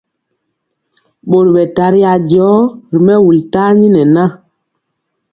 Ɓori ɓɛ tari ajɔ ri mɛwul tani nɛ na.